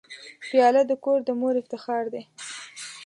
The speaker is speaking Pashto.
پیاله د کور د مور افتخار دی.